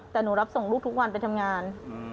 แต่หนูรับส่งลูกทุกวันไปทำงาน